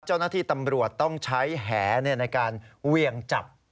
เจ้าหน้าที่ตำรวจต้องใช้แหในการเวียงจับ